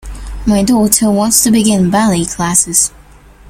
My daughter wants to begin ballet classes.